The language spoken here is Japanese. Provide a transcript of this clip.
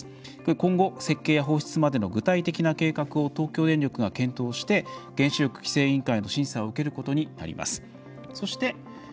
今後、設計から放出までの具体的な計画を東京電力が検討して、原子力規制委員会の審査を受けることになります。